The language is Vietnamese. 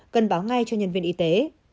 cần báo ngay cho nhân viên y tế